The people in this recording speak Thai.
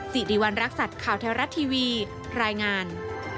สิริวัณรักษัตริย์ข่าวแท้รัฐทีวีรายงาน